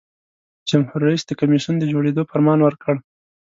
جمهور رئیس د کمیسیون د جوړیدو فرمان ورکړ.